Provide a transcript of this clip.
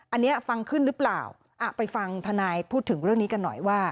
อันนี้ฟังขึ้นหรือเปล่าอ่ะไปฟังทนายพูดถึงเรื่องนี้กันหน่อยว่า